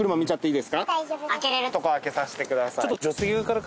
開けられるとこ開けさせてください。